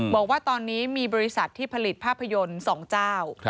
บอกว่าตอนนี้มีบริษัทที่ผลิตภาพยนตร์๒เจ้า